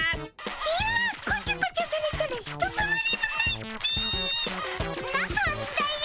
今こちょこちょされたらひとたまりもないっピ。な感じだよ。